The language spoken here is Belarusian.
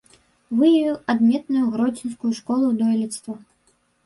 Выявіў адметную гродзенскую школу дойлідства.